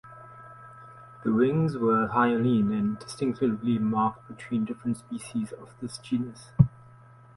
The wings are hyaline and distinctively marked between different species of this genus.